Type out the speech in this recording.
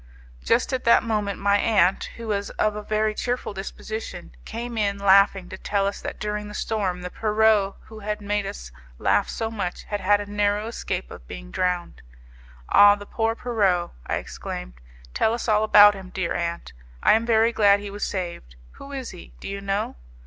Just at that moment, my aunt, who is of a very cheerful disposition, came in, laughing, to tell us that during the storm the Pierrot who had made us laugh so much had had a narrow escape of being drowned. 'Ah! the poor Pierrot!' I exclaimed, 'tell us all about him, dear aunt. I am very glad he was saved. Who is he? Do you know?